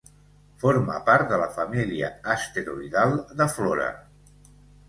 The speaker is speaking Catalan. Forma part de la família asteroidal de Flora.